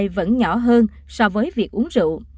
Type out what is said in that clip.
vẫn nhỏ hơn so với việc uống rượu